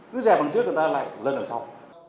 cứ dẹp bằng trước người ta lại lần sau